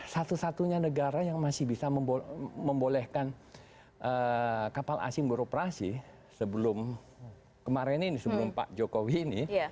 satu satunya negara yang masih bisa membolehkan kapal asing beroperasi sebelum kemarin ini sebelum pak jokowi ini